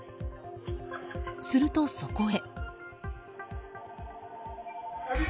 すると、そこへ。